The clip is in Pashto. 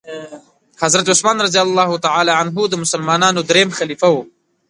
حضرت عثمان رضي الله تعالی عنه د مسلمانانو دريم خليفه وو.